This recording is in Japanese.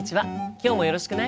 今日もよろしくね。